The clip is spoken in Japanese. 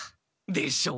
でしょ？